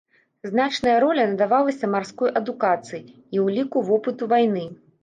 Значная роля надавалася марской адукацыі і ўліку вопыту вайны.